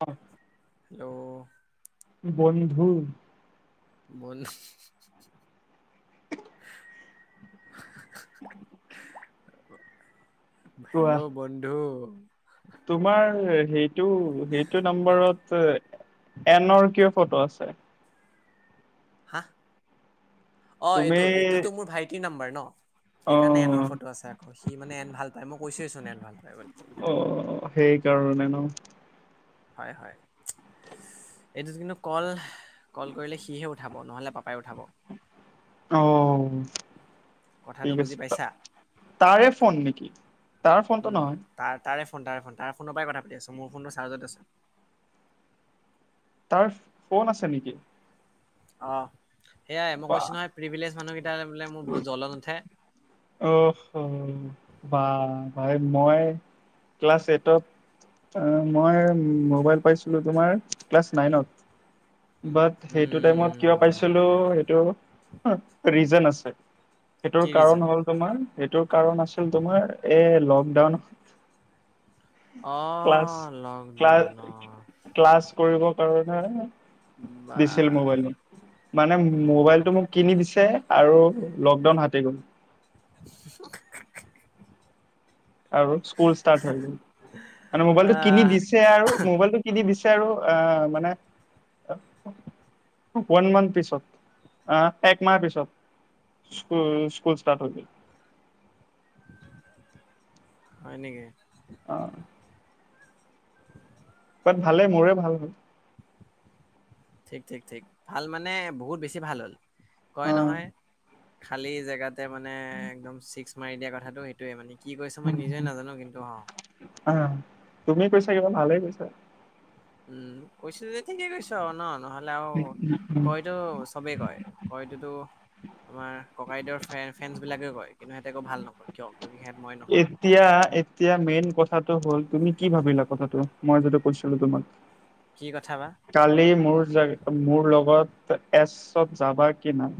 অ। Hello. উম বল। [unintelligible] কোৱা hello বন্ধু। তোমাৰ সেইটো সেইটো হা নম্বৰত। এনৰ কিয় ফটো আছে। হা অ তুমি এইটো এইটোতো মোৰ ভাইটিৰ নাম্বাৰ ন। অ সেইকাৰণে এনৰ ফটো আছে আকৌ সি মানে এন ভাল পায় মই কৈছোৱেইচোন এন ভাল পায় বোলি। অ সেইকাৰণে ন। হয় হয় এইটোত কিন্তু কল কল কৰিলে সিহে উঠাব নহলে পাপ অ কথাটো ঠিক বুজি আছে পাইছা তাৰে ফোন নেকি তাৰ ফোনটো নহয় ফণ্টাই ফণ্টটা ফোনৰ পৰাই কথা পাতি আছো মোৰ ফোনটো চাৰ্জতে আছে তাৰ ফোন আছে নেকি অ সেয়াই মই বা কৈছো নহয় প্ৰিভিলেজ মানুহকেইটটা বোলে মোৰ বহুত জ্বলন উঠে। অ বা ভাই মই ক্লাছ এইটত। মই মোবাইল পাইছিলো তোমাৰ ক্লাছ নাইনত। বাট সেইটো টাইমত কিবা পাইছিলো উম সেইটো ৰিজন আছে। সেইটোৰ কি ৰিজন কাৰণ হ'ল তোমাৰ। সেইটো কাৰণ আছিল তোমাৰ এ লকডাউনত। ক্লাছ অ' ক্লা লকডাউন অ' ক্লাছ কৰিব কাৰণে। বা দিছিল মোবাইল মানে মোবাইলটো মোক কিনি দিছে। আৰু লকডাউন হাতি গ'ল। [unintelligible] আৰু স্কুল মান মবাইলটো কিনি আহ দিছে আৰু মবাইলটো কিনি দি। আৰু আহ মানে। ওৱান মান্থ পিছত আহ একমাহ পিছত। স্ক স্কুল ষ্টাৰ্ট হৈ গল। হয় নেকি। অ। ভালে মোৰে ভাল হয়। ঠিক ঠিক ঠিক ভাল মানে বহুত বেছি ভাল হ'ল অ কয় নহয়। খালি জেগাতে মানে একদম চিক্স মাৰি দিয়া কথাটো সেইটোয়ে মানে। কি কৰিছ মই নিজে নাজানো কিন্তু অ আহ তুমি কৈছা কিবা ভালেই কৈছা উম কৈছে যদি ঠিকেই কৈছ ন নহলে লে আৰু উম উম উম কয়তটো চবেই কয় কয়টোতো আমাৰ ককাইদেউৰ ফ্ৰে ফ্ৰেণ্ডছ বিলাকে কয় কিন্তু সিহঁতে একৌ ভাল নকওঁ কিয় কিয় সিহঁত মই নহয় এতিয়া এতিয়া মেইন কথাটো হল তুমি কি ভাবিলা কথাটো মই যিটো কৈছিলো তোমাক কি কথা বা কালি মোৰ জ মোৰ লগত ত এ চব যাবা কি নাই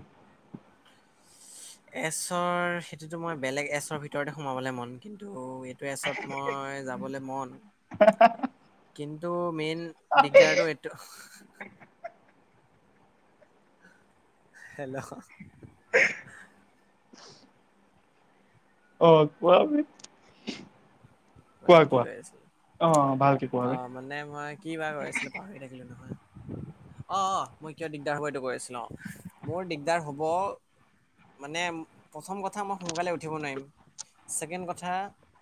এছৰ সেইটোতো মই বেলেগ এছৰ ভিতৰতে সোমাবলে মন কিন্তু এছত মই যাবলৈ মন কিন্তু মেইন দিগদাৰটো এইটো হেল্ল' [unintelligible] অ কোৱা বে কোৱা এইবিলাক কি কোৱা কয় আছিল অ ভালকে কোৱা অ বে মানে মই কি বাৰ কৈ আছিলো পাহৰি থাকিলো নহয় অ অ মই কিয় দিগদাৰ হ'ব এইটো কৈ আছিলো অ মোৰ দিগদাৰ হব মানে প্ৰথম কথা মই সোনকালে উঠিব নোৱাৰিম ছেকেণ্ড কথা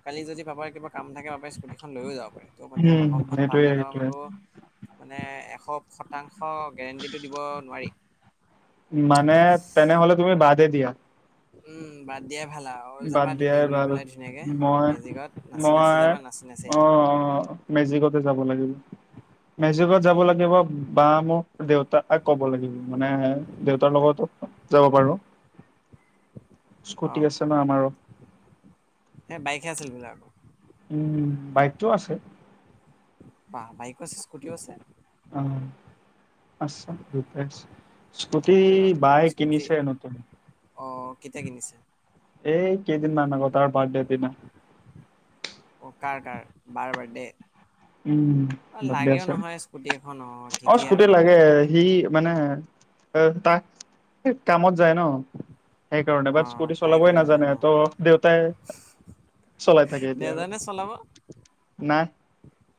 কালি যদি পাপাৰ কিবা কাম থাকে বাবে স্কুটিখন লৈয়ও যাব পাৰে ত' মানে উম বাহনখন পাম সেইটোয়ে নে নাপাম সেইটোয়ে আকৌ মানে এশ স মানে তেনেহলে তুমি বাদে দিয়া উম বাদ দিয়া ভালা বাদ যাবা তুমি দিয়াই উৰি ভাল পেলাই ধুনীয়াকে মই মেজিকত নাচি নাচি মই যাবা নাচি নাচি অ আহিবা অ মেজিকতে যাব লাগিব মেজিকত উম, যাব লাগিব বা মোক দেউতা তাক ক'ব লাগিব মানে দেউতাৰ লগতো যাব পাৰো স্কুটি অ' আছে ন আমাৰো কি আছিল সেইবিলাক উম বাইকটো আছে বা বাইকো আছে স্কুটিও আছে উম আচ্ছা দুয়োটাই আছে, স্কুটি বাপৰে বাপ। বাইক স্কুটি কিনিছে নতুন অ কেতিয়া কিনিছে এই কেইদিনমান আগত তাৰ বাৰ্থডেৰ দিনা অ' কাৰ কাৰ বাৰ বাৰ্থডে উম অ' বাৰ্ডে লাগেও আছে। নহয় স্কুটি এখন অ ঠিকেই স্কুটি আৰু। লাগে। সি মানে তাক কামত যায় ন সেইকাৰণে বাট অ' স্কুটি তাই চলাবই কামত যায় নাজানে ন' ত' দেউতাই চলাই থাকে এতিয়া আৰু নেজানে চলাব। নাই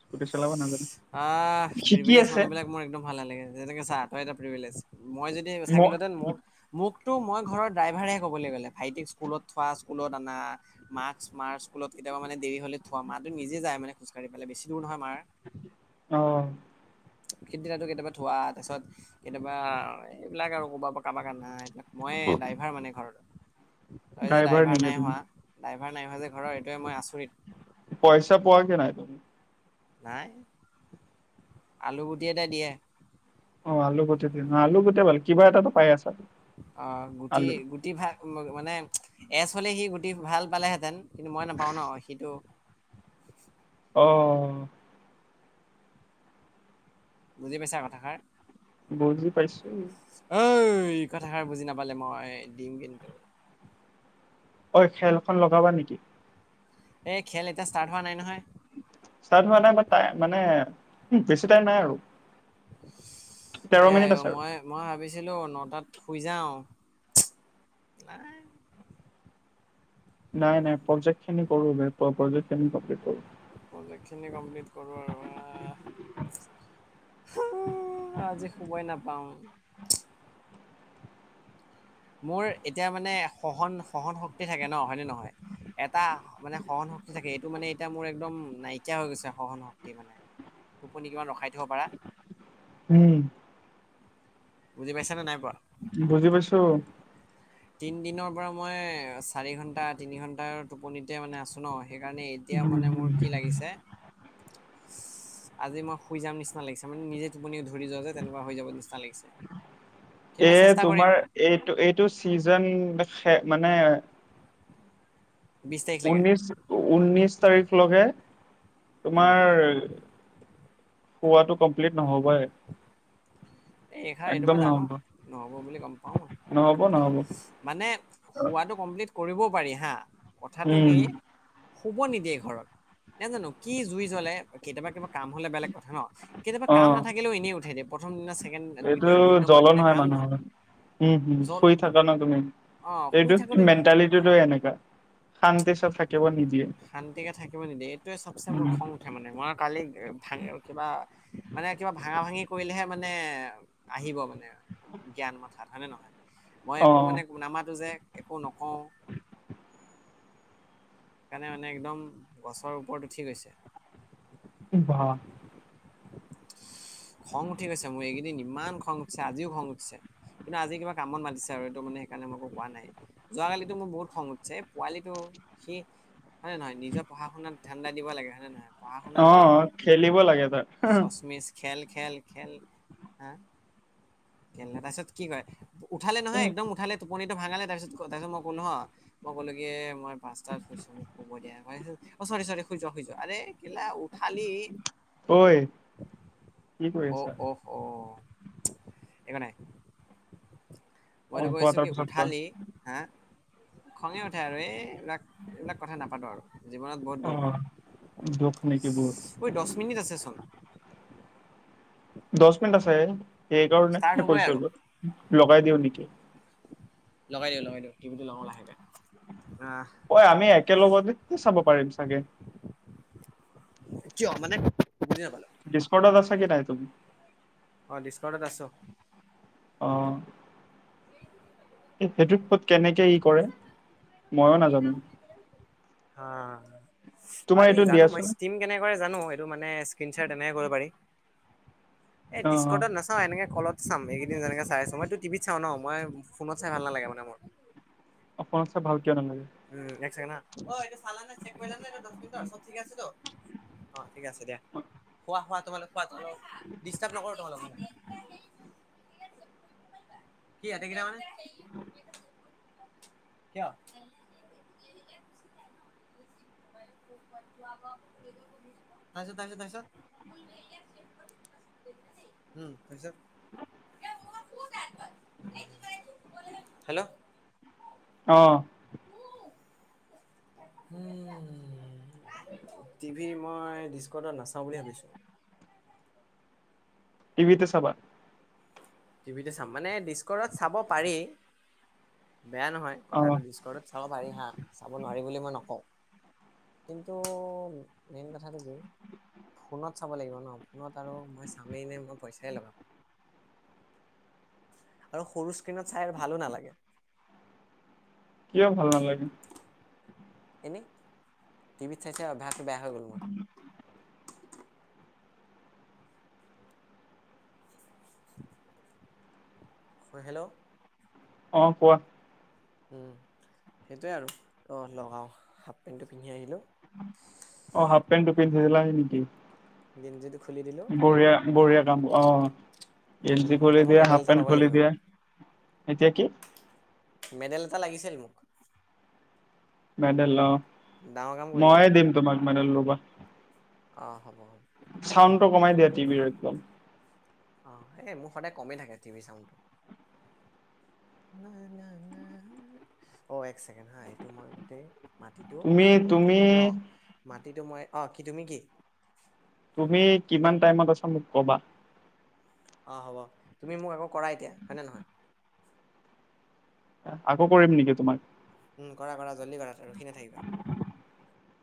স্কুটি চলাব নাজানে আহ শিকি প্ৰিভিলেজ আছে মানুহ বিলাক মোৰ একদম ভাল নালাগে যেনেকে চা তই এটা প্ৰিভিলেজ মই যদি ম চাকিলো হেতেন মোক মোক তো মই ঘৰৰ ড্ৰাইভাৰে ক'বলে গ'লে ভাইটিক স্কুলত থোৱা স্কুলত অনা মাক্স মাৰ স্কুলত কেতিয়াবা মানে দেৰি হ'লে থোৱা মা টো নিজে যায় মানে খোজকাঢ়ি পেলাই বেছি দূৰ ন নহয় মাৰ অহ সিদিনাটো কেতিয়াবা থোৱা তাৰপিছত কেতিয়াবা এইবিলাক আৰু কৰ'বাৰ পৰা কাবাক আনা মই ড্ৰাইভাৰ মানে ঘৰত তই যে ড্ৰাইভাৰ নেকি নাই তুমি হোৱা ড্ৰাইভাৰ নাই হোৱা যে ঘৰৰ এইটোৱে মই আচৰিত পইচা পোৱা কি নাই তুমি নাই আলু গুটি এটা দিয়ে অ আলু গুটি দিয়ে ন আলু গুটিয়ে ভাল কিবা এটাটো পাই আছা অ গুটি আলু গুটি ভাগ মানে এজ হ'লে সি গুটি ভাল পালেহেঁতেন কিন্তু মই নাপাওঁ ন সিটো অহ বুজি পাইছা কথাষাৰ বুজি পাইছোঁ ঐ কথাষাৰ বুজি নাপালে মই দিম কিন্তু ঐ খেলখন লগাবা নিকি এ খেল এতিয়া ষ্টাৰ্ট হোৱা নাই নহয় ষ্টাৰ্ট হোৱা নাই বাট টা মানে বেছি টাইম নাই আৰু তেৰ এয়াই মিনিট অ আছে আৰু মই মই ভাবিছি ছিলো নটাত শুই যাওঁ, উমচ নাই নাই নাই প্ৰজেক্ট খিনি কৰোঁ বে প প্ৰজেক খিনি কমপ্লিত কৰোঁ প্ৰজেকখিনি কমপ্লিট কৰোঁ আৰু আ হোও আজি শুবই নাপাওঁ মোৰ এতিয়া মানে সহন সহন শক্তি থাকে ন হয়নে নহয় এটা মানে সহন শক্তি থাকে এইটো মানে এতিয়া মোৰ একদম নাইকিয়া হৈ গৈছে সহন শক্তি মানে টোপনি কিমান ৰখাই থ'ব পাৰা উম বুজি পাইছা নে নাই পোৱা বুজি পাইছোঁ তিনদিনৰ পৰা মই চাৰি ঘণ্টা তিনি ঘণ্টাৰ টোপনিতে মানে আছোঁ ন সেইকাৰণে এতিয়া মানে মোৰ কি লাগিছে আজি মই শুই যাম নিচিনা লাগিছে মানে নিজে টোপনি ধৰি যোৱা যে তেনেকুৱা হৈ যাব নিচিনা [unintelligible] কিন্তু এ মই চেষ্টা কৰিম তোমাৰ এইটো এইটো চিজ জন মানে [unintelligible] বিশ তাৰিখলৈকে ঊন্নিশ ঊন্নিশ তাৰিখলৈকে উম তোমাৰ খোৱাটো কমপ্লিট নহ'বয়ে। এইষা এইটো মই জানো নহ'ব বুলি গম পাঁও মই। নহব নহব মানে হোৱাটো কমপ্লিট কৰিবও পাৰি হা কথাটো উম কি শুব নিদিয়ে ঘৰত নে জানো কি জুই জ্বলে কেতিয়াবা কেবা কাম হলে বেলেগ কথা ন কেতিয়াবা অ কাম নাাকিলেও এনেই উঠাই দিয়ে প্ৰথম দিনা চে চেকেণ্ড এইটো দুই নম্বৰ জ্বলন দিনা হয় কাম মানুহৰ নহ। উম হম শুই থাকা ন তুমি অ শুই এইটো থাকোতে মেণ্টেলিটিটোৱে এনেকা। শান্তি চব থাকিব নিদিয়ে। শান্তিকে থাকিব নিদিয়ে এইটোৱে চবচে মোৰ উম, খং উঠে মানে মই কালি ভাঙি কিবা মানে কিবা ভাঙা ভাঙি কৰিলেহে মানে আহিব মানে জ্ঞান মাথাত হয়নে নে নহয়। মই অ একো মানে নামাতো যে একো নকওঁ। সেইকাৰণে মানে একদম গছৰ ওপৰত উঠি গৈছে। বাহ। খং উঠি গৈছে মোৰ এইগেদিন ইমান খং উঠিছে আজিও খং উঠিছে। কিন্তু আজি কিবা কামত মাতিছে আৰু এইটো মানে সেইকাৰণে মই কোৱা নাই যোৱাকালিতো মোৰ বহুত খং উঠছে। পোৱালিটো সি [unintelligible] হয় নে নহয় নিজৰ পঢ়া শুনাত ধান্দা দিব লাগে হয় নে নহয়। [unintelligible] অ কৰ অ খেলিব লাগে তাক হে হে। চচমিচ খেল খেল খেল হা খেলে তাপিছত কি কয়। [unintelligible] উঠালে নহয় একদম উঠালে। টোপনী টো ভাঙালে তাৰপিছত তাৰপিছত মই কলো হ মই কলো কি মই পচটাত শুইছো মোক শুব দিয়া। অ চৰি চৰি শুই যোৱা শুই যোৱা আৰে কেলা উঠালি। ঐ [unintelligible] কি কৰি অ আছা অ' অ। একোনাই অ মইতো কোৱা কৈছোঁ তাৰ কি পিছত কোৱা উঠালি হা। খঙে উঠে আৰু এই এইবিলাক এইবিলাক কথা নাপাতো আৰু। জীৱনত বহুত অ দুখ দুখ নেকি বহুত ঐ দশ মিনিট আছে চোন। দশ মিনিট আছে সেইকাৰণে ষ্টাৰ্ট হে হ'বই কৈছো আৰু লগাই দিওঁ নেকি। লগাই দিওঁ লগাই দিওঁ। টিভিটো লগাও লাহেকে আহ ঐ আমি একেলগতে চাব পাৰিম চাগে। কিয় মানে বুজি নাপায়। ডিছকাউণ্টত আছে থাই তোম অঁ ডিছকাউণ্টত আছো। অঁহ। উ হু হু। সেইটোত কত কেনেকে ই কৰে ময়ো নাজানো। হা! তোমাৰ পাৰি এইটো জানো মই দিয়াচোন স্কিম কেনেকে কৰে জানো এইটো মানে স্কিনচেয়াৰ তেনেকে কৰিব পাৰি। এ অ ডিস্কটত নাচাও এনেকে কলত চাম এইকেইদিন যেনেকে চাই আছো মইতো টিভিত চাঁও ন মই ফোনত চাই ভাল নালাগে মানে মোৰ। অপনত চাই ভাল কিয় নালাগে? উম এক চেকেণ্ড হা। অ এটো চালানে নে চেক কৰিলানে এইটো দশ মিনিট চব ঠিক আছে টো। ঠিক আছে দিয়া খোৱা খোৱা তোমালোক খোৱা দিস্টাব নকৰোঁ তোমালোকক। কি এতে কিৰা মানে? কিয়? [inaudible] তাৰপিছত তাৰপিছত তাৰপিছত। [inaudible] উম তাপিছত। [inaudible] হেল্লো' আহ [inaudible] উম টি ভি মই ডিস্কডাত নাচাওঁ বুলি ভাবিছো। টি ভিতে চাবা। টিভিটে চাম মানে ডিস্কৰত চাব পাৰি বেয়া নহয় অ কথাটো ডিস্কৰত চাব পাৰি হা চাব নোৱাৰিম বুলি মই নকওঁ। কিন্তু মেইন কথাটো কি ফোনত চাব লাগিব ন ফোনত আৰু মই চামেই নে মই পইচাই লগাম। আৰু সৰু স্ক্ৰীণত চাই ভালো নালাগে। কিয় ভাল নালাগে। এনেই টিভিত চাই চাই অভ্যাসটো বেয়া হৈ গ'ল মোৰ। [inaudible] হয় হেল্ল অ কোৱা উম সেইটোৱে আৰু অ লগাও হাফ পেণ্টটো পিন্ধি আহিলো। অ হাফ পেণ্টটো পিন্ধিছিলা নেকি? গেঞ্জীটো বঢ়িয়া বঢ়িয়া কাম অ উম, গেঞ্জী এতিয়া খুলি মই দিয়া, মেডেল হাফ এটা পেণ্ট পাব খুলি লাগিব। দিয়া। এতিয়া কি? মেডেল এটা লাগিছিল মোক। মেডেল ল। ডাঙৰ কাম কৰিলোঁ ময়ে ন' দিম তোমাক মেডেল লবা অ' হ'ব হ'ব। বান্ধি চাউণ্ডটো দিব হাত কমাই দিয়া টিভিৰ একদম অ এই মোৰ সদায় কমেই থাকে টিভি চাউণ্ড টো। অ এক চেকেণ্ড হা এইটো মই গোটেই মাটিটো তুমি মাটিত তুমি সোম ন মাটিটো মই অ কি তুমি কি? [unintelligible] তুমি কিমান টাইমত আছা মোক কবা। আহ হ'ব তুমি মোক আকৌ কৰা এতিয়া হয়নে নহয় আকৌ কৰিম নেকি তোমাক? উম কৰা কৰা জল্দি কৰা ৰখি নাথাকিবা।